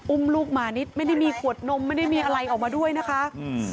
อุ้มลูกมานิดไม่ได้มีขวดนมไม่ได้มีอะไรออกมาด้วยนะคะอืม